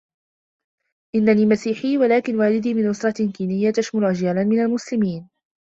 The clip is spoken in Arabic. إنني مسيحي و لكن والدي من أسرة كينية تشمل أجيالا من المسلمين.